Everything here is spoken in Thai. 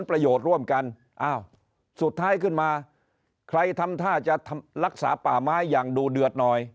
ประโยชน์ร่วมกันอ้าวสุดท้ายขึ้นมาใครทำท่าจะรักษาป่าไม้อย่างดูเดือดหน่อย